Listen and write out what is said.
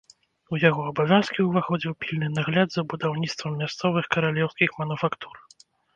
У яго абавязкі ўваходзіў пільны нагляд за будаўніцтвам мясцовых каралеўскіх мануфактур.